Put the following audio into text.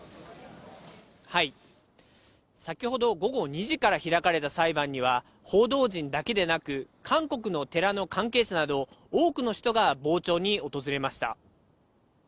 先ほど午後２時から開かれた裁判には、報道陣だけでなく、韓国の寺の関係者など、多くの人が傍聴に訪れました。